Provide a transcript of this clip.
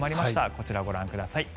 こちら、ご覧ください。